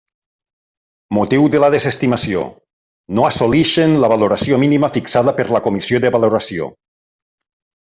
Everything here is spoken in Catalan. Motiu de la desestimació: no assolixen la valoració mínima fixada per la comissió de valoració.